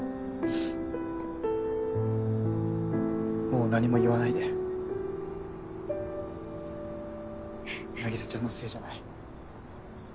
もう何も言わないで凪沙ちゃんのせいじゃない。